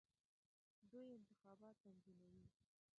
دوی انتخابات تنظیموي.